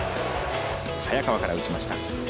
早川から打ちました。